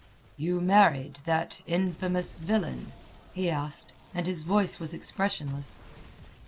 "You married that infamous villain?" he asked, and his voice was expressionless.